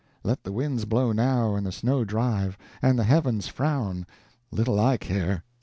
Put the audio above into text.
Let the winds blow now, and the snow drive, and the heavens frown! Little I care!"